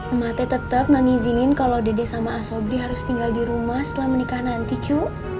emak teh tetep mengizinin kalo dede sama asobli harus tinggal di rumah setelah menikah nanti kyu